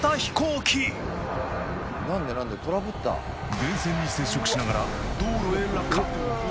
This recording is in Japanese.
電線に接触しながら道路へ落下！